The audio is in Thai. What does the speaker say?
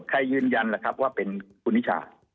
ยืนยันล่ะครับว่าเป็นคุณนิชา